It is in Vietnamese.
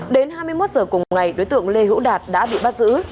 đến hai mươi một giờ cùng ngày đối tượng lê hữu đạt đã bị bắt giữ